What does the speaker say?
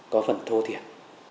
có phần thô thiện